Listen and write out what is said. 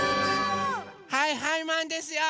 はいはいマンですよ！